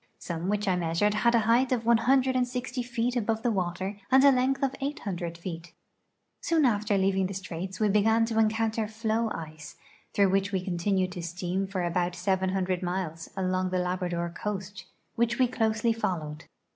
Some which I measured had a height of 160 feet above the water and a length of 800 feet. Soon after leaving the straits we began to encounter floe ice, through which we continued to steam for about 700 miles, along the Labrador coast, which we closely followed.